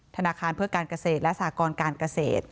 ธนาคารเพื่อการเกษตรและสากรการเกษตร